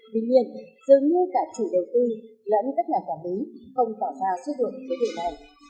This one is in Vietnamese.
tuy nhiên dường như cả chủ đề tư lẫn các nhà quản lý không tỏ ra xuất luận về điều này